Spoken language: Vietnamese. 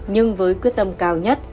nhưng với quyết tâm cao nhất